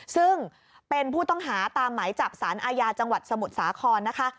ซึ่งเป็นผู้ต้องหาตามหมายจับสารอาญาจังหวัดสมุทรสาครนะคะ